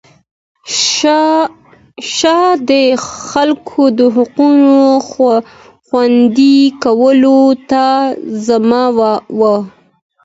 شاه د خلکو د حقونو خوندي کولو ته ژمن و.